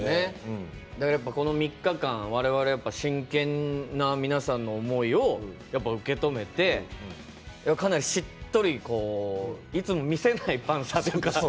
この３日間、我々真剣な皆さんの思いを受け止めて、かなりしっとりいつも見せないパンサーというか。